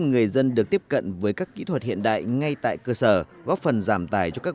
người dân được tiếp cận với các kỹ thuật hiện đại ngay tại cơ sở góp phần giảm tài cho các